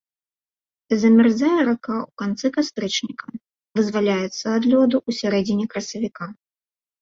Замярзае рака ў канцы кастрычніка, вызваляецца ад лёду ў сярэдзіне красавіка.